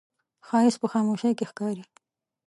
ښایست په خاموشۍ کې ښکاري